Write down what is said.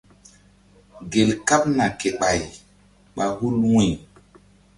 Gel kaɓna ke ɓay ɓa hul wu̧y.